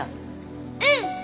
うん！